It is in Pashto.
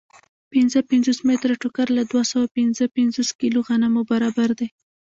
پنځه پنځوس متره ټوکر له دوه سوه پنځه پنځوس کیلو غنمو برابر دی